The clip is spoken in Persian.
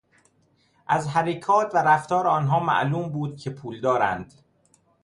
از حرکات و رفتار آنها معلوم بود که پولدارند.